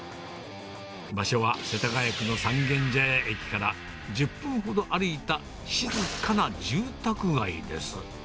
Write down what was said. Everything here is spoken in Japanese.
場所は世田谷区の三軒茶屋駅から１０分ほど歩いた静かな住宅街です。